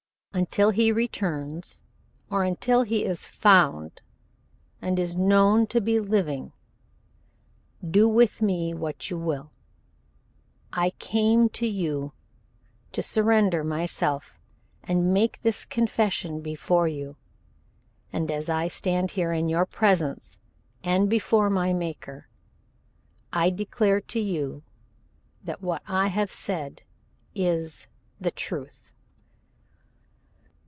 Until he returns or until he is found and is known to be living, do with me what you will. I came to you to surrender myself and make this confession before you, and as I stand here in your presence and before my Maker, I declare to you that what I have said is the truth."